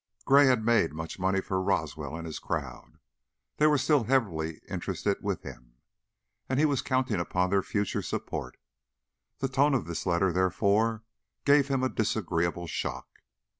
Gray had made much money for Roswell and his crowd; they were still heavily interested with him, and he was counting upon their further support. The tone of this letter, therefore, gave him a disagreeable shock.